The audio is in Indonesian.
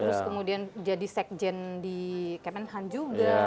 terus kemudian jadi sekjen di kemenhan juga